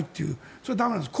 それは駄目なんです。